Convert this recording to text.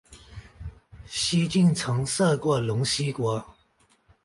西晋曾设过陇西国。